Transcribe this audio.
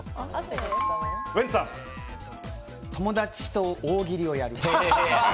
友達と大喜利をやる。